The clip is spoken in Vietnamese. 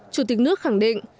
chủ tịch nước khẳng định